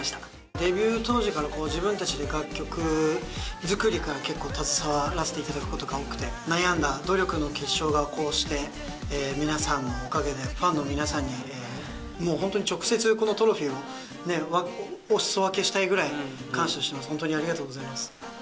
デビュー当時から、自分たちで楽曲作りから、結構携わらせていただくことが多くて、悩んだ努力の結晶が、こうして皆さんのおかげで、ファンの皆さんにもう本当に、直接このトロフィーをおすそ分けしたいぐらい感謝してます。